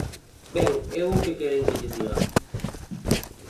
Ben, eu ¿que queren que lles diga?